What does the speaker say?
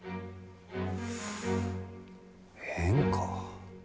変か。